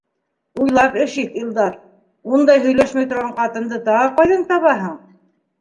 — Уйлап эш ит, Илдар, ундай һөйләшмәй торған ҡатынды тағы ҡайҙан табаһың?